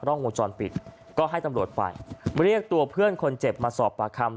่องวงจรปิดก็ให้ตำรวจไปเรียกตัวเพื่อนคนเจ็บมาสอบปากคำ